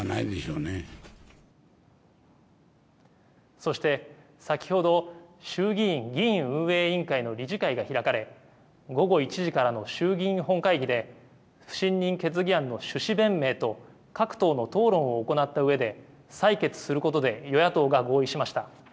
そして、先ほど衆議院議院運営委員会の理事会が開かれ午後１時からの衆議院本会議で不信任決議案の趣旨弁明と各党の討論を行ったうえで採決することで与野党が合意しました。